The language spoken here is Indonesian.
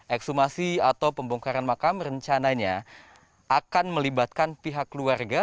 ekshumasi atau pembongkaran makam rencananya akan melibatkan pihak keluarga